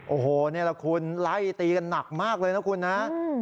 โอ้โหนี่แหละคุณไล่ตีกันหนักมากเลยนะคุณนะ